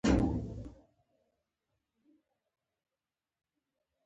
د ټایملاین مدیریت سرعت لوړوي.